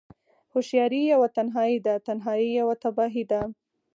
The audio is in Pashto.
هوښياری يوه تنهايی ده، تنهايی يوه تباهی ده